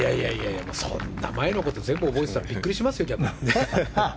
そんな前のこと全部覚えてたらビックリしますよ、逆に。